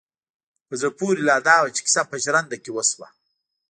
په زړه پورې لا دا وه چې کيسه په ژرنده کې وشوه.